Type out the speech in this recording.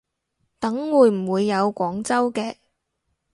等會唔會有廣州嘅